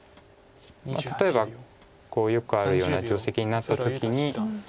例えばよくあるような定石になった時に。